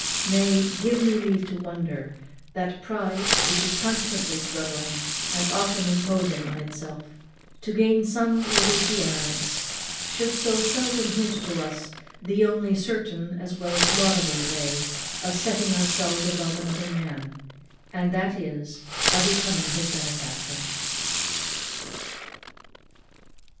Nay, give me leave to wonder that pride, which is constantly struggling, and often imposing on itself, to gain some little pre eminence, should so seldom hint to us the only certain as well as laudable way of setting ourselves above another man, and that is, by becoming his benefactor.